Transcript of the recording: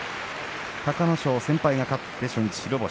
隆の勝、先輩が勝って初日白星。